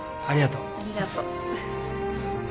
ありがとう。